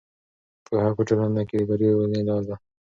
پوهه په ټولنه کې د بریا یوازینۍ لاره ده.